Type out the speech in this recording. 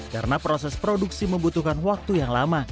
karena proses produksi membutuhkan waktu yang lama